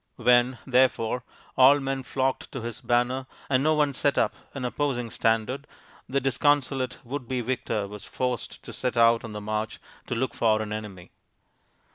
When, therefore, all men 201 202 THE INDIAN STORY BOOK flocked to his banner, and no one set up an oppos ing standard, the disconsolate would be victor was forced to set out on the march and look for an enemy.